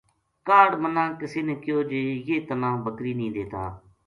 کاہڈ منا کِس نے کہیو جے یہ تنّا بکری نہیہ دیتا